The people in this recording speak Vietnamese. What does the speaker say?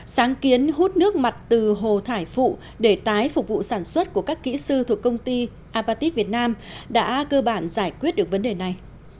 sáng kiến hút nước mặt từ hồ thải phụ để tái phục vụ sản xuất của các kỹ sư thuộc công ty apatit việt nam đã cơ bản giải quyết được vấn đề này